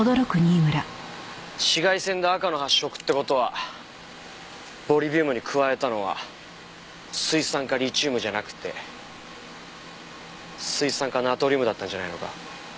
紫外線で赤の発色って事はボリビウムに加えたのは水酸化リチウムじゃなくて水酸化ナトリウムだったんじゃないのか？